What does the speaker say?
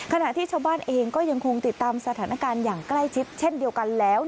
ขณะที่ชาวบ้านเองก็ยังคงติดตามสถานการณ์อย่างใกล้ชิดเช่นเดียวกันแล้ว